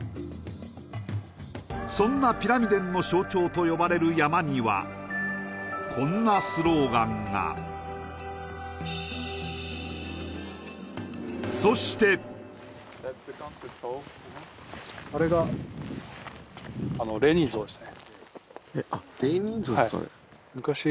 そんなピラミデンの象徴と呼ばれる山にはこんなスローガンがそしてあっレーニン像ですか